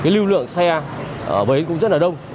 lưu lượng xe ở bến cũng rất là đông